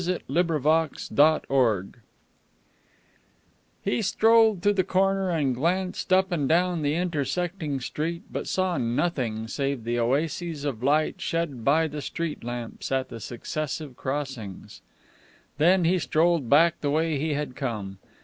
"JUST MEAT" He strolled to the corner and glanced up and down the intersecting street, but saw nothing save the oases of light shed by the street lamps at the successive crossings. Then he strolled back the way he had come.